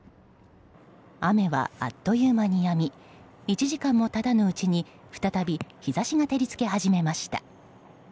雨は、あっという間にやみ１時間も経たぬうちに再び日差しが照り付け始めました。